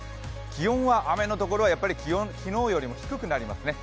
気温は雨のところは昨日よりも低くなりますね。